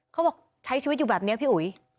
เขาบอกใช้ชีวิตอยู่แบบนี้พี่อุ๋ย